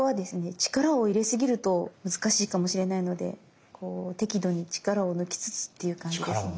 力を入れ過ぎると難しいかもしれないので適度に力を抜きつつっていう感じですね。